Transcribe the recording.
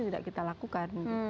tidak kita lakukan